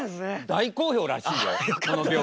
大好評らしいよこの病院。